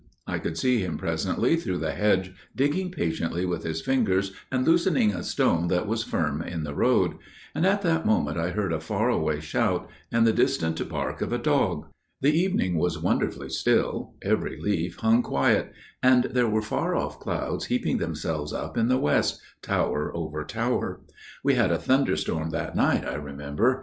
I could see him presently through the hedge digging patiently with his fingers and loosening a stone that was firm in the road. And at that moment I heard a far away shout and the distant bark of a dog. "The evening was wonderfully still: every leaf hung quiet: and there were far off clouds heaping themselves up in the west, tower over tower. We had a thunderstorm that night, I remember.